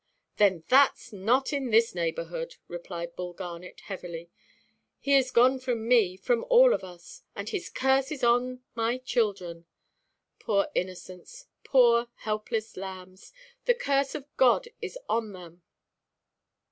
"Then thatʼs not in this neighbourhood," replied Bull Garnet, heavily; "He is gone from me, from all of us. And His curse is on my children. Poor innocents, poor helpless lambs! The curse of God is on them."